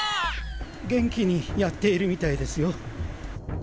元気にやっているみたいですよ。